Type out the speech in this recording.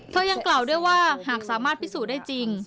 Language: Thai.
ยังกล่าวด้วยว่าหากสามารถพิสูจน์ได้จริง